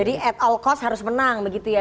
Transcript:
jadi at all cost harus menang begitu ya